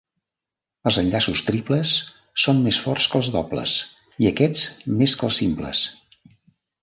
Els enllaços triples són més forts que els dobles, i aquests més que els simples.